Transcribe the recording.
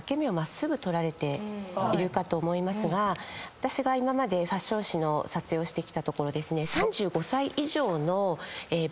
私が今までファッション誌の撮影をしてきたところですね。